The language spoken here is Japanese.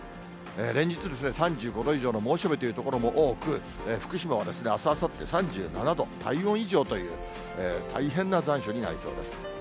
連日３５度以上の猛暑日という所も多く、福島はあす、あさって３７度、体温以上という、大変な残暑になりそうです。